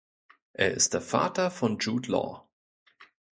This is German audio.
Er ist der Vater von Jude Law.